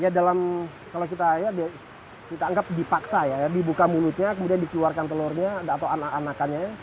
ya dalam kalau kita ya kita anggap dipaksa ya dibuka mulutnya kemudian dikeluarkan telurnya atau anak anakannya ya